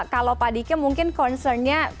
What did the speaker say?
kalau pak diki mungkin kembali ke tempat yang lebih baik